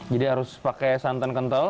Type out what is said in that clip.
jadi harus pakai santan kental